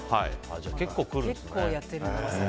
じゃあ結構来るんですね。